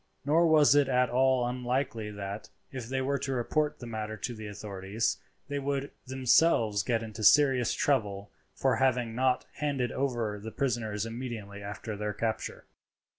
Nor was it at all unlikely that, if they were to report the matter to the authorities, they would themselves get into serious trouble for not having handed over the prisoners immediately after their capture.